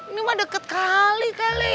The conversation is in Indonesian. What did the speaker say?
ini mah deket kali kali